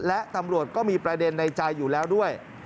และตำรวจก็มีประเด็นในใจอยู่แล้วด้วย